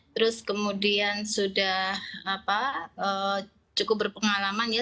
terus kemudian sudah cukup berpengalaman ya